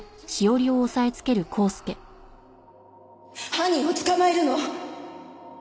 犯人を捕まえるの！